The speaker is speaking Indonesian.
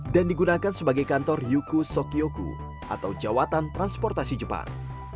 dan digunakan sebagai kantor yuku sokyoku atau jawatan transportasi jepang